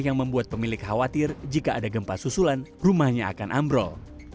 yang membuat pemilik khawatir jika ada gempa susulan rumahnya akan ambrol